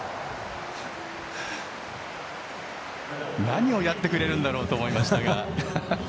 何をやってくれるんだろうと思いましたが。